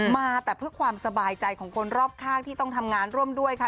มาแต่เพื่อความสบายใจของคนรอบข้างที่ต้องทำงานร่วมด้วยค่ะ